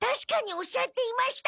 おっしゃっていました！